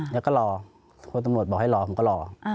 แล้วก็รอพอตำรวจบอกให้รอผมก็รอ